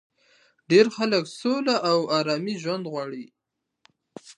ډېری خلک سوله او ارام ژوند غواړي